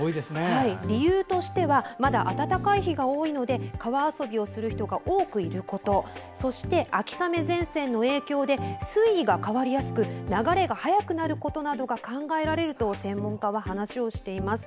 理由としてはまだ暖かい日が多いので川遊びをする人が多くいることそして、秋雨前線の影響で水位が変わりやすく流れが速くなることなどが考えられると専門家は話をしています。